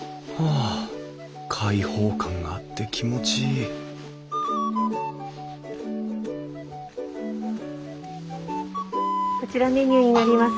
あ開放感があって気持ちいいこちらメニューになります。